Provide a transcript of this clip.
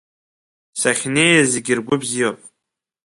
Сахнеиз зегь ргәы бзиоуп.